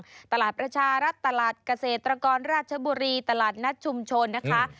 ตามตลาดต่างตลาดประชารัฐตลาดเกษตรกรรชบุรีตลาดนัดชุมชนนะคะ